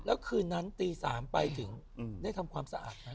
แล้วคืนนั้นตี๓ไปถึงได้ทำความสะอาดไหม